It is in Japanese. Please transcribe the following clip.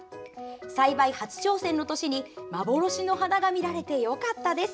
栽培初挑戦の年に幻の花が見られてよかったです。